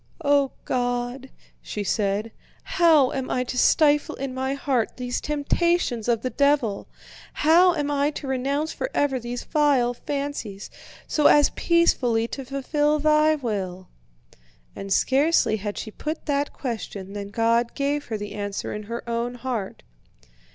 "O God," she said, "how am I to stifle in my heart these temptations of the devil? How am I to renounce forever these vile fancies, so as peacefully to fulfill Thy will?" And scarcely had she put that question than God gave her the answer in her own heart.